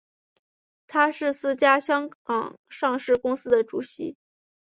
他是四家香港上市公司的主席。